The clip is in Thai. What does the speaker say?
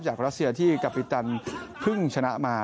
รัสเซียที่กาปิตันเพิ่งชนะมา